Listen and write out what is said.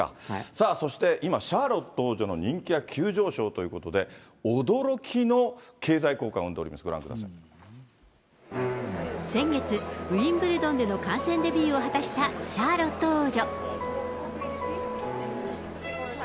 さあ、そして今シャーロット王女の人気が急上昇ということで、驚きの経済効果を呼んでおります、先月、ウィンブルドンでの観戦デビューを果たしたシャーロット王女。